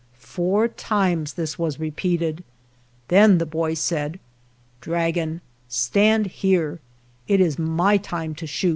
Four times this was repeated, then the boy said, "Dragon, stand here; it is my time to shoot."